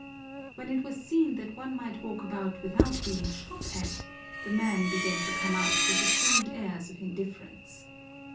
When it was seen that one might walk about without being shot at, the men began to come out with assumed airs of indifference.